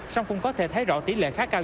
song cũng có thể thấy rõ tỷ lệ khá cao